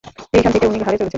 এইখান থেকে উনি ঘাড়ে চড়েছেন।